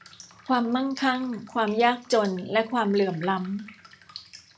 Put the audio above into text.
ความมั่งคั่ง ความยากจนและความเหลื่อมล้ำ